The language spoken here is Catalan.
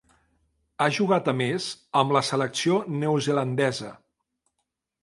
Ha jugat a més amb la selecció neozelandesa.